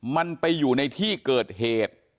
มันไปอยู่ในที่เกิดเหตุ